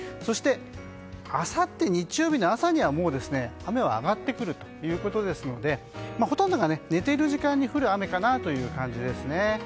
そして、あさって日曜日の朝には雨は上がってくるということですのでほとんどが寝ている時間に降る雨かなという感じですね。